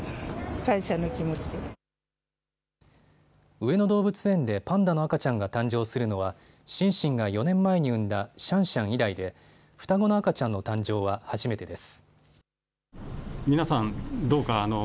上野動物園でパンダの赤ちゃんが誕生するのはシンシンが４年前に産んだシャンシャン以来で双子の赤ちゃんの誕生は初めてです。